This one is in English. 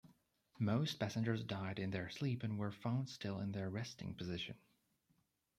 Most passengers died in their sleep and were found still in their resting position.